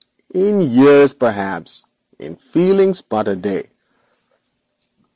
'In years perhaps; in feelings but a day.